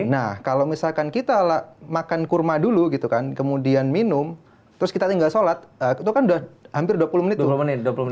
nah kalau misalkan kita makan kurma dulu gitu kan kemudian minum terus kita tinggal sholat itu kan udah hampir dua puluh menit tuh menit